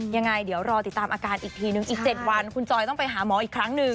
ยังไงเดี๋ยวรอติดตามอาการอีกทีนึงอีก๗วันคุณจอยต้องไปหาหมออีกครั้งหนึ่ง